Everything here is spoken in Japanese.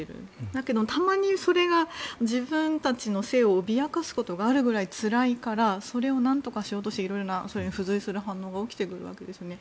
だけど、たまにそれが自分たちの生を脅かすことがあるくらいつらいからそれを何とかしようとしてそれに付随する反応が起きてくるわけですね。